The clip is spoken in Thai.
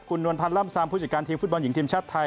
คุณนวลพันธ์ล่ำซามผู้จัดการทีมฟุตบอลหญิงทีมชาติไทย